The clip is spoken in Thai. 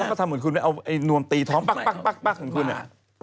แล้วก็ทำเหมือนคุณเอาไอ้นวมตีท้องปั๊กปั๊กปั๊กของคุณอ่ะฮะ